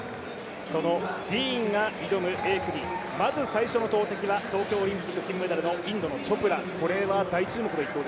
そのディーンが挑むＡ組、まず最初の投てきは東京オリンピック金メダルのインドのチョプラ。